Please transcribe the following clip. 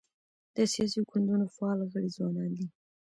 د سیاسي ګوندونو فعال غړي ځوانان دي.